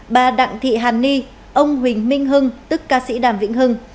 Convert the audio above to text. bà đặng thị hàn ni ông huỳnh minh hưng tức ca sĩ đàm vĩnh hưng